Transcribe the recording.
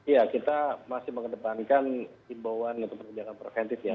ya kita masih mengedepankan himpuan untuk penunjukan preventif ya